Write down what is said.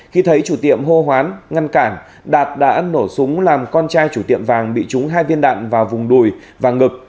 khi thấy chủ tiệm hô hoán ngăn cản đạt đã nổ súng làm con trai chủ tiệm vàng bị trúng hai viên đạn vào vùng đùi và ngực